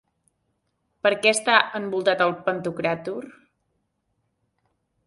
Per què està envoltat el pantocràtor?